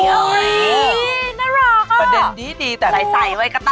อุ๊ยน่ารักแต่ใส